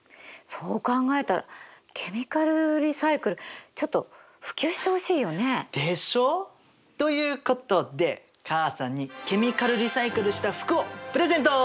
そう考えたらケミカルリサイクルちょっと普及してほしいよね。でしょう？ということで母さんにケミカルリサイクルした服をプレゼント！